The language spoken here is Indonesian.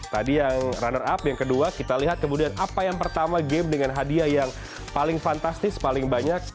tadi yang runner up yang kedua kita lihat kemudian apa yang pertama game dengan hadiah yang paling fantastis paling banyak